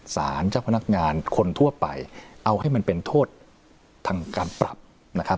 สารเจ้าพนักงานคนทั่วไปเอาให้มันเป็นโทษทางการปรับนะครับ